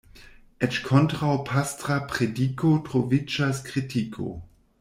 Eĉ kontraŭ pastra prediko troviĝas kritiko.